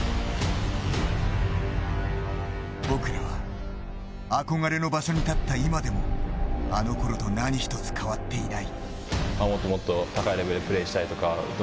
僕らは憧れの場所に立った今でもあのころと何一つ変わっていない。